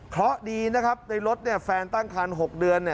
เพราะดีนะครับในรถแฟนตั้งคัน๖เดือน